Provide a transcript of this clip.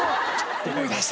思い出した！